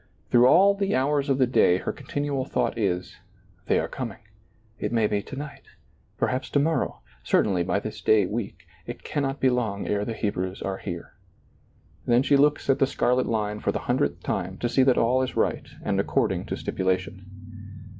Through all the hours of the day her continual thought is : They are coming, it may be to night, perhaps to morrow, certainly by this day week; it can not be long ere the Hebrews are here. Then she looks at the scarlet line for the hundredth time to see that all is right and according to stipula tion.